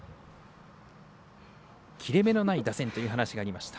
切れ目のない打線という話がありました。